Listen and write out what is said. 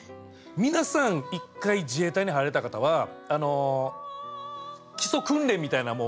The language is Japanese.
皆さん一回自衛隊に入られた方は基礎訓練みたいなものをやられるんで。